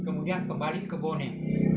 kemudian kembali ke boneh